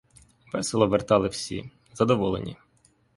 Весело вертали всі, задоволені.